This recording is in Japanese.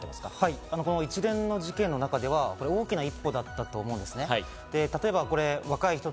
一連の事件の中では大きな一歩だったと思いますね。